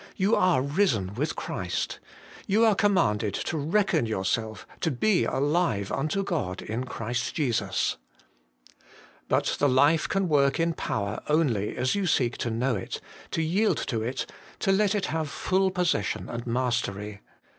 You are ' risen with Christ.' You are commanded ' to reckon yourself to be alive unto God in Christ Jesus.' But the life can work in power only as you seek to 1 See Note F. HOLINESS AND EESURRECTION. 169 know it, to yield to it, to let it have full possession and mastery.